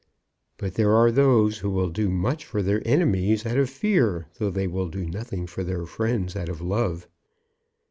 "But there are those who will do much for their enemies out of fear, though they will do nothing for their friends out of love.